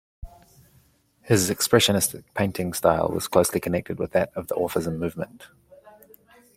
His expressionist painting style was closely connected with that of the Orphism movement.